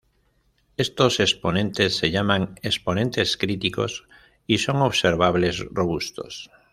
Estos exponentes se llaman exponentes críticos y son observables robustos.